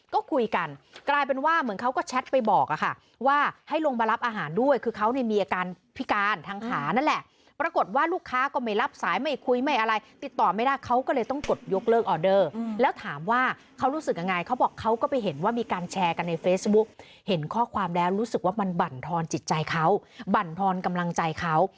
ก็คุยกันกลายเป็นว่าเหมือนเขาก็แชทไปบอกอะค่ะว่าให้ลงมารับอาหารด้วยคือเขาเนี่ยมีอาการพิการทางขานั่นแหละปรากฏว่าลูกค้าก็ไม่รับสายไม่คุยไม่อะไรติดต่อไม่ได้เขาก็เลยต้องกดยกเลิกออเดอร์แล้วถามว่าเขารู้สึกยังไงเขาบอกเขาก็ไปเห็นว่ามีการแชร์กันในเฟซบุ๊กเห็นข้อความแล้วรู้สึกว่ามันบั่นทอนจิตใจเขาบรรทอนกำลังใจเขา